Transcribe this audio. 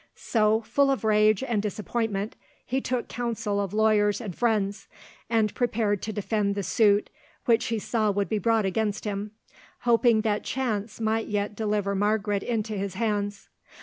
So, full of rage and disappointment, he took counsel of lawyers and friends, and prepared to defend the suit which he saw would be brought against him, hoping that chance might yet deliver Margaret into his hands.